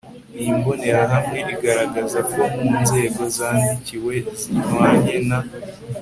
Iyi Mbonerahamwe igaragaza ko mu Nzego zandikiwe zihwanye na